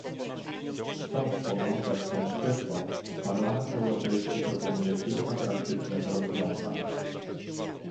Chcąc podążać tą ścieżką, Parlament Europejski proponuje kilka praktycznych rozwiązań